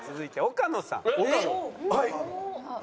岡野さん。